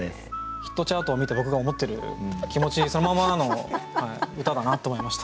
ヒットチャートを見て僕が思ってる気持ちそのままの歌だなと思いました。